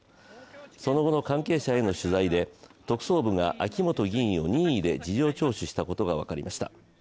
その後の関係者への取材で特捜部が秋本議員を任意で事情聴取したことが分かりました。